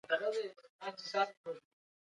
هو زه په دې موضوع پوهېږم.